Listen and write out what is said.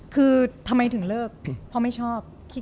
คือทำไมถึงเลิกเพราะไม่ชอบขี้เทียด